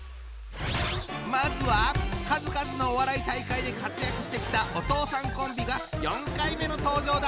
まずは数々のお笑い大会で活躍してきたお父さんコンビが４回目の登場だ。